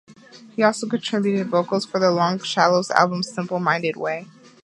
He also contributed vocals for The Longshadows album "Simple Minded Way".